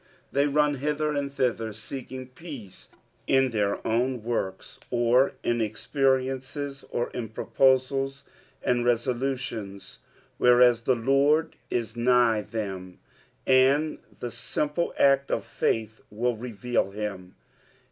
They run hither and thither, seeking peace in Iheir own works, or in experiences, or in proposala and resolutions, whereas the Lord is nigh them, and tne simple act of^faith will reveal him.